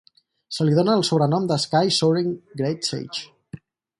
Se li dóna el sobrenom de "Sky Soaring Great Sage".